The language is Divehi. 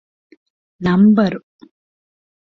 ނަންބަރު